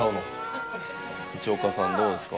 一岡さんどうですか？